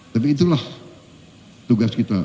tapi itulah tugas kita